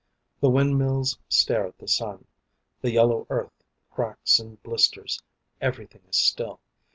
The windmills stare at the sun. The yellow earth cracks and blisters. Everything is still.